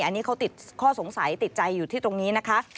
อันนี้เขาติดข้อสงสัยติดใจอยู่ที่ตรงนี้นะคะ